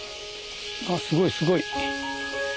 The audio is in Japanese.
あすごいすごい。